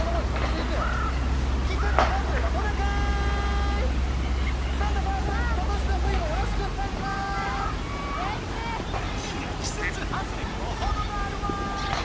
いや季節外れにもほどがあるわい！